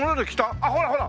あっほらほら！